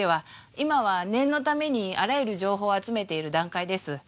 今は念のためにあらゆる情報を集めている段階です。